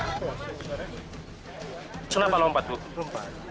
kenapa lompat bu